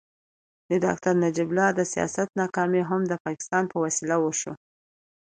د ډاکټر نجیب الله د سیاست ناکامي هم د پاکستان په وسیله وشوه.